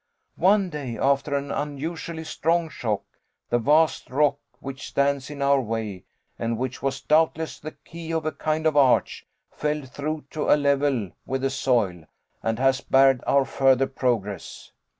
One day, after an unusually strong shock, the vast rock which stands in our way, and which was doubtless the key of a kind of arch, fell through to a level with the soil and has barred our further progress.